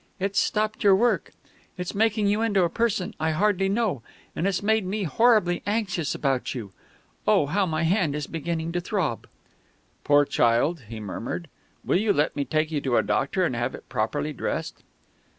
It's stopped your work, it's making you into a person I hardly know, and it's made me horribly anxious about you.... Oh, how my hand is beginning to throb!" "Poor child!" he murmured. "Will you let me take you to a doctor and have it properly dressed?"